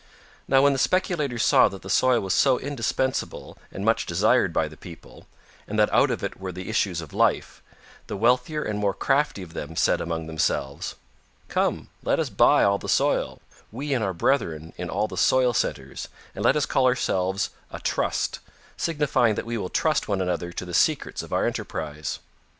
Now when the speculators saw that the soil was so indispensable and much desired by the people, and that out of it were the issues of life, the wealthier and more crafty of them said among themselves: "Come, let us buy all the soil, we and our brethren in all the soil centers, and let us call ourselves a Trust, signifying that we will trust one another to the secrets of our enterprise."